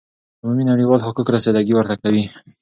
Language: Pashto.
عمومی نړیوال حقوق رسیده ګی ورته کوی